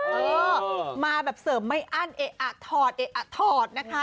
เออมาแบบเสริมไม่อั้นเอ๊ะอะถอดเอ๊ะอะถอดนะคะ